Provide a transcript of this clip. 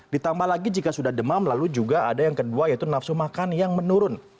ditambah lagi jika sudah demam lalu juga ada yang kedua yaitu nafsu makan yang menurun